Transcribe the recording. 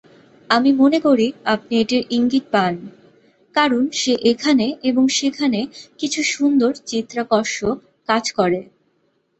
আমি মনে করি আপনি এটির ইঙ্গিত পান, কারণ সে এখানে এবং সেখানে কিছু সুন্দর চিত্তাকর্ষক কাজ করে।